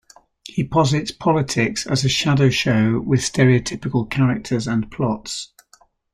He posits politics as a shadow show with stereotypical characters and plots.